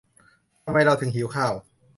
ทำไมเราถึงหิวข้าว